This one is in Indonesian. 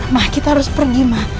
ma kita harus pergi ma